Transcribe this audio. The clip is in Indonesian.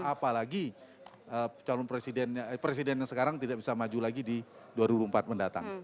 apalagi presiden yang sekarang tidak bisa maju lagi di dua ribu empat mendatang